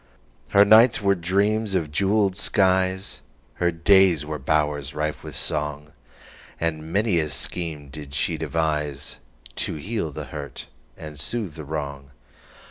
Her nights were dreams of jeweled skies, Her days were bowers rife with song, And many a scheme did she deviseTo heal the hurt and soothe the wrong.